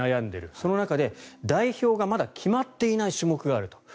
その中でまだ代表が決まっていない種目もある。